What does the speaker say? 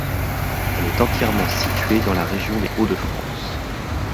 Elle est entièrement située dans la région des Hauts-de-France.